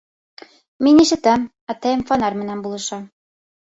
Мин ишәм, атайым фонарь менән булаша.